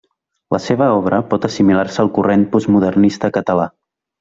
La seva obra pot assimilar-se al corrent postmodernista català.